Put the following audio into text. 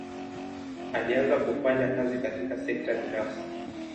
Alianza kufanya kazi katika sekta binafsi.